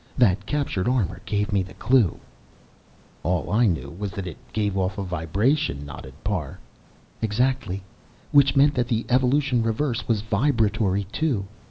That captured armor gave me the clue." "All I knew was that it gave off a vibration," nodded Parr. "Exactly. Which meant that the evolution reverse was vibratory, too.